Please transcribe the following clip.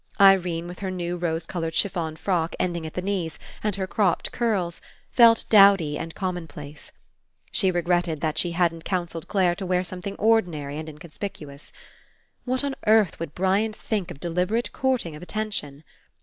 Irene, with her new rose coloured chiffon frock ending at the knees, and her cropped curls, felt dowdy and common place. She regretted that she hadn't counselled Clare to wear something ordinary and incon spicuous. What on earth would Brian think of deliberate courting of attention?